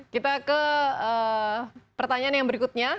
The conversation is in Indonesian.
kita ke pertanyaan yang berikutnya